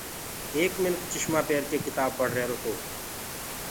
ايڪ منک چُشمآنٚ پيرڪي ڪتآب پڙه ريهروتو